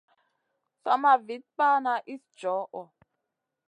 Sama Vit pana iss djoho.